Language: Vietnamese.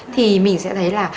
thì mình sẽ thấy là